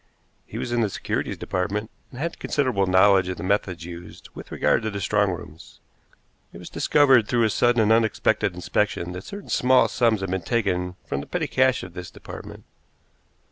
He was in the securities department, and had considerable knowledge of the methods used with regard to the strong rooms. It was discovered through a sudden and unexpected inspection that certain small sums had been taken from the petty cash of this department.